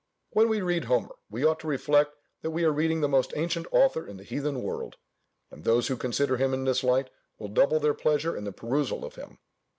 When we read Homer, we ought to reflect that we are reading the most ancient author in the heathen world; and those who consider him in this light, will double their pleasure in the perusal of him.